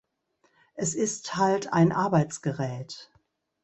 Es ist halt ein Arbeitsgerät.